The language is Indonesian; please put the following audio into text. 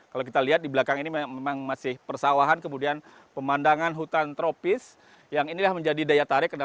kalau kita lihat di belakang ini memang masih persawahan kemudian pemandangan hutan tropis yang inilah menjadi daya tarik